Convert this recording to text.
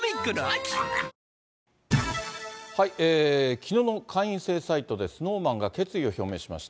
きのうの会員制サイトでＳｎｏｗＭａｎが決意を表明しまし